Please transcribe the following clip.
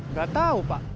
nggak tahu pak